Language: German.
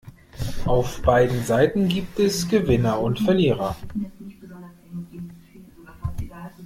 Auf beiden Seiten gibt es Gewinner und Verlierer.